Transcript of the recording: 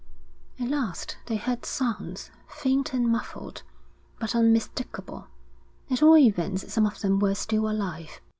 At last they heard sounds, faint and muffled, but unmistakable. At all events some of them were still alive.